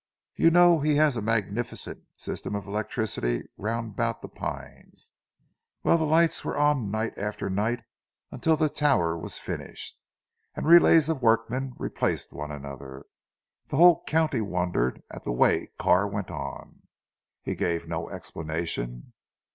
You know he has a magnificent system of electricity round about 'The Pines.' Well, the lights were on night after night until the tower was finished, and relays of workmen replaced one another. The whole county wondered at the way Carr went on." "He gave no explanation?"